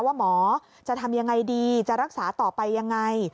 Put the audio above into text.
ว่าหมอจะทำอย่างไรดีจะรักษาต่อไปอย่างไร